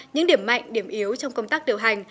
những điểm mạnh điểm yếu trong công tác điều hành